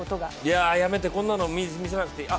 やめて、こんなの見せなくていい。